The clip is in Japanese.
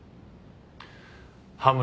羽村